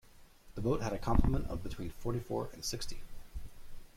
The boat had a complement of between forty-four and sixty.